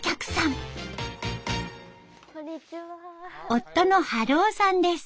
夫の治夫さんです。